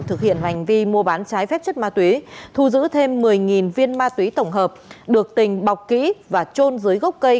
thực hiện hành vi mua bán trái phép chất ma túy thu giữ thêm một mươi viên ma túy tổng hợp được tình bọc kỹ và trôn dưới gốc cây